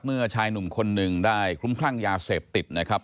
ชายหนุ่มคนหนึ่งได้คลุ้มคลั่งยาเสพติดนะครับ